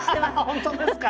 本当ですか？